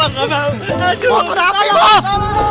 masalah apa ya bos